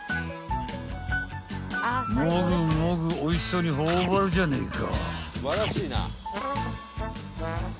［もぐもぐおいしそうに頬張るじゃねえか］